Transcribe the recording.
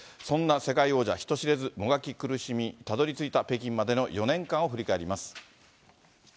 そんな世界王者、人知れずもがき苦しみ、たどりついた北京までの４年間を振り返ります。